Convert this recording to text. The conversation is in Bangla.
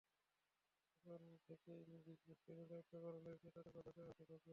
সকাল থেকেই বিভিন্ন ভোটকেন্দ্রে দায়িত্ব পালনে তাঁদের বাধা দেওয়া হতে থাকে।